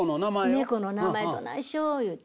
「猫の名前どないしよう」言うて。